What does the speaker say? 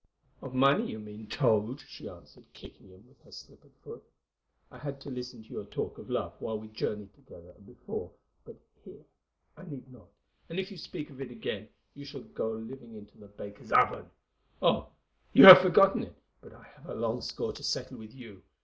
"Of money you mean, Toad," she answered, kicking him with her slippered foot. "I had to listen to your talk of love while we journeyed together, and before, but here I need not, and if you speak of it again you shall go living into that baker's oven. Oh! you have forgotten it, but I have a long score to settle with you.